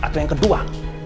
atau yang kedua